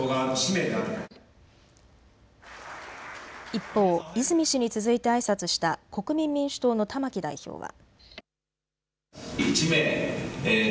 一方、泉氏に続いてあいさつした国民民主党の玉木代表は。